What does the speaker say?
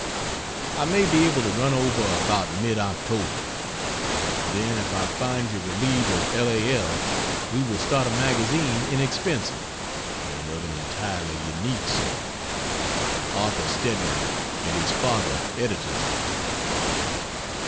I may be able to run over about mid October. Then if I find you relieved of L. A. L. we will start a magazine inexpensive, and of an entirely unique sort. Arthur Stedman and his father editors of it.